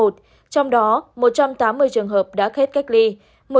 trong đó một trăm tám mươi trường hợp đã cao